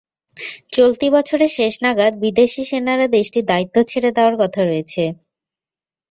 চলতি বছরের শেষ নাগাদ বিদেশি সেনারা দেশটির দায়িত্ব ছেড়ে দেওয়ার কথা রয়েছে।